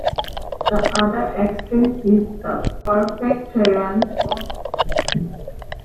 The other extreme is the "perfect tyranny" form.